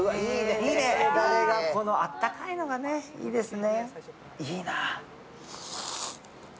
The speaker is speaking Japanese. このあったかいのがね、いいですね。